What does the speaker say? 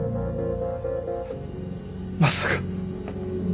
まさか。